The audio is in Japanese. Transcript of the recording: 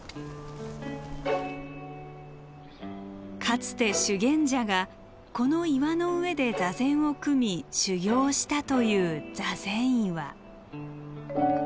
かつて修験者がこの岩の上で座禅を組み修行をしたという座禅岩。